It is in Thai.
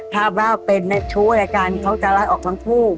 ถ้าเป็นชู้อะไรกันเขาจะรักออกทั้งคู่